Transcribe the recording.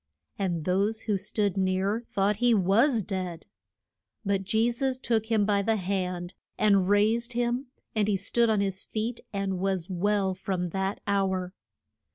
And those who stood near thought he was dead. But Je sus took him by the hand and raised him, and he stood on his feet and was well from that hour.